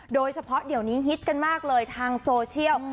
โดยเฉพาะเดี๋ยวนี้ฮิตกันมากเลยทางโซเชียล